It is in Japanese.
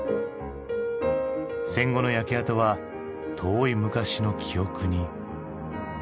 戦後の焼け跡は遠い昔の記憶に。